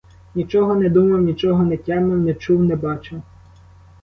Нічого не думав, нічого не тямив, не чув, не бачив.